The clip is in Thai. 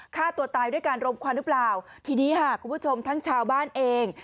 ฆ่าตัวตายด้วยการรมควันหรือเปล่าทีนี้ค่ะคุณผู้ชมทั้งชาวบ้านเอง